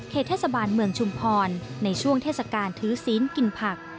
เทศบาลเมืองชุมพรในช่วงเทศกาลถือศีลกินผัก